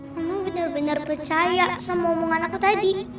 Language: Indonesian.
kamu benar benar percaya sama omongan aku tadi